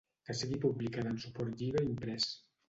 Que sigui publicada en suport llibre imprès.